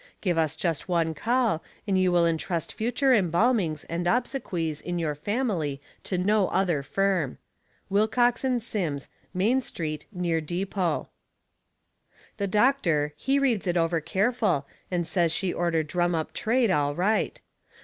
Give us just one call, and you will entrust future embalmings and obsequies in your family to no other firm. WILCOX AND SIMMS Main Street, Near Depot The doctor, he reads it over careful and says she orter drum up trade, all right.